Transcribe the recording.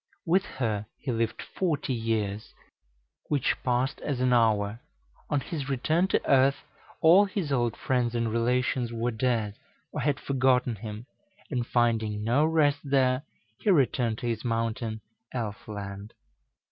With her he lived forty years, which passed as an hour; on his return to earth all his old friends and relations were dead, or had forgotten him, and finding no rest there, he returned to his mountain elf land.